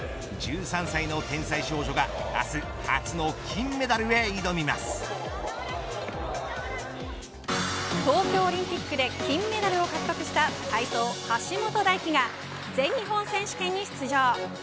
１３歳の天才少女は明日初の金メダルへ東京オリンピックで金メダルを獲得した体操、橋本大輝が全日本選手権に出場。